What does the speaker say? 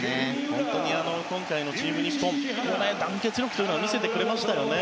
本当に今回のチーム日本団結力というのを見せてくれましたよね。